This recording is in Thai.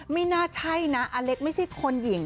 ไม่น่าใช่นะอเล็กไม่ใช่คนหญิง